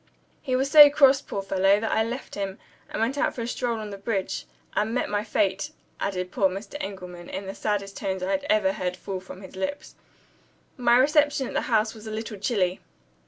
He was so cross, poor fellow, that I left him, and went out for a stroll on the bridge. And met my fate," added poor Mr. Engelman, in the saddest tones I had ever heard fall from his lips. My reception at the house was a little chilly.